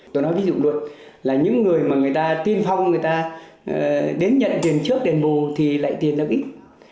tôi nói ví dụ đuột là những người mà người ta tiên phong người ta đến nhận tiền trước tiền bù thì lại tiền lợi ích